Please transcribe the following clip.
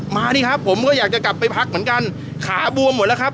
ดิครับผมก็อยากจะกลับไปพักเหมือนกันขาบวมหมดแล้วครับ